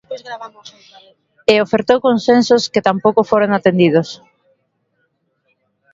E ofertou consensos que tampouco foron atendidos.